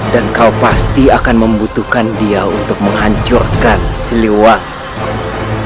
dan kau pasti akan membutuhkan dia untuk menghancurkan siliwangi